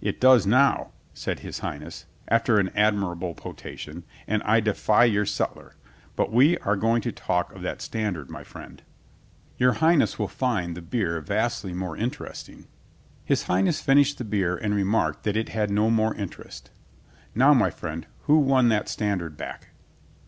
"It does now," said his Highness, after an ad mirable potation, "and I defy your sutler. But we are going to talk of that standard, my friend." I90 COLONEL GREATHEART "Your Highness will find the beer vastly more interesting." His Highness finished the beer and remarked that it had no more interest. "Now, my friend, who won that standard back?"